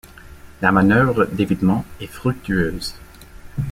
La manœuvre d'évitement est fructueuse.